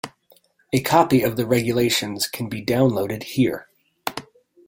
A copy of the regulations can be downloaded here.